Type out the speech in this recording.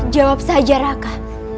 jawab saja raka